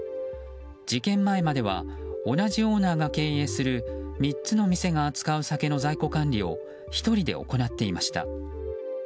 事件前までは同じオーナーが経営する３つの店が扱う酒の在庫管理を１人で行っていました。